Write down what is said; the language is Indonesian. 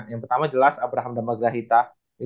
yang pertama jelas abraham dan magrahita